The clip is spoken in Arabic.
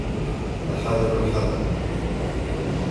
الْحَذَرَ الْحَذَرَ